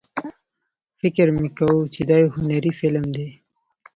فکر مې کاوه چې دا یو هنري فلم دی.